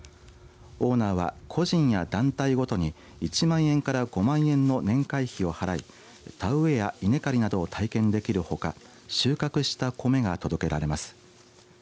オーナーは、個人や団体ごとに１万円から５万円の年会費を払い田植えや稲刈りなどを体験できるほか収穫した米が届けられます。